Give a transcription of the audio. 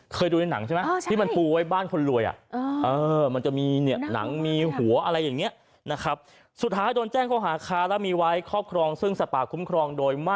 เคยดูในหนังใช่ไหมที่มันปูไว้บ้านคนรวย